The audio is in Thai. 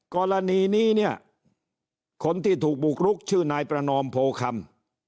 กรณีนี้เนี่ยคนที่ถูกบุกรุกชื่อนายประนอมโพคำ